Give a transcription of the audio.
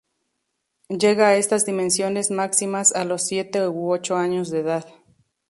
Llega a estas dimensiones máximas a los siete u ocho años de edad.